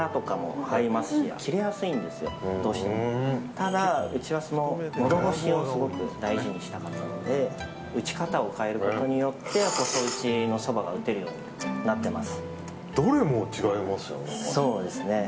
ただうちは、のど越しをすごく大事にしたかったので打ち方を変えることによって細打ちのそばが打てるようになってます。